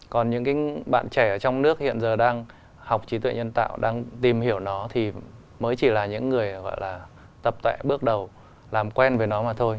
còn những cái bạn trẻ ở trong nước hiện giờ đang học trí tuệ nhân tạo đang tìm hiểu nó thì mới chỉ là những người gọi là tập tệ bước đầu làm quen với nó mà thôi